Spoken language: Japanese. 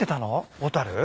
小樽。